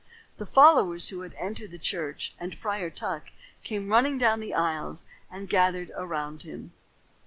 The followers who had entered the church and Friar Tuck came running down the aisles and gathered around him.